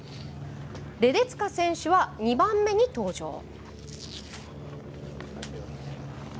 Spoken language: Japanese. レデツカ選手は２番目に登場。